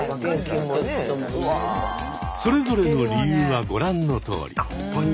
それぞれの理由はご覧のとおり。